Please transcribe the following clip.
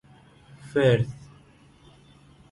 فرث